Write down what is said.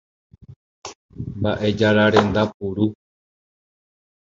Mba'ejararenda puru.